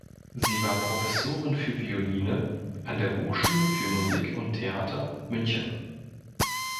Sie war Professorin für Violine an der Hochschule für Musik und Theater München.